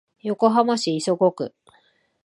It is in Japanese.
横浜市磯子区